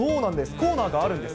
コーナーがあるんです。